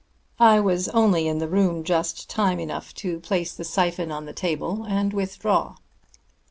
I was only in the room just time enough to place the syphon on the table and withdraw.